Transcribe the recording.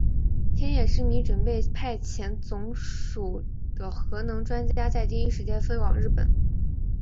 天野之弥准备派遣总署的核能专家在第一时间飞往日本。